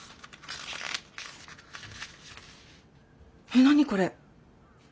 えっ何これ？